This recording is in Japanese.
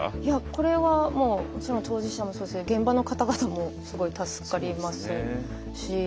これはもうもちろん当事者もそうですし現場の方々もすごい助かりますし。